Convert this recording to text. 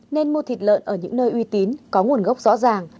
nên mua thịt lợn ở những nơi uy tín có nguồn gốc rõ ràng